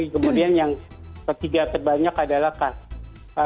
kemudian yang ketiga terbanyak adalah kasus